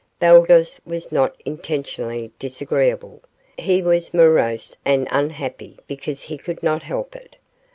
Baldos was not intentionally disagreeable; he was morose and unhappy because he could not help it.